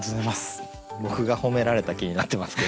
僕が褒められた気になってますけども。